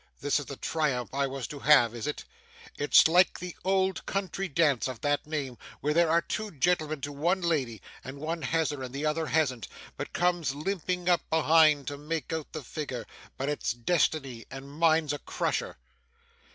This is the triumph I was to have, is it? It's like the old country dance of that name, where there are two gentlemen to one lady, and one has her, and the other hasn't, but comes limping up behind to make out the figure. But it's Destiny, and mine's a crusher.